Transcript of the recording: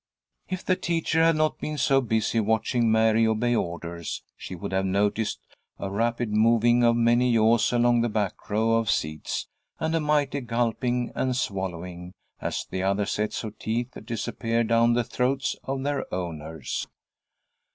If the teacher had not been so busy watching Mary obey orders, she would have noticed a rapid moving of many jaws along the back row of seats, and a mighty gulping and swallowing, as the other sets of teeth disappeared down the throats of their owners.